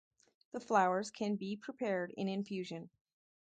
The flowers can be prepared in infusion.